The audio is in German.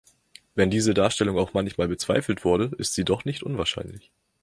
Wenn diese Darstellung auch manchmal bezweifelt wurde, ist sie doch nicht unwahrscheinlich.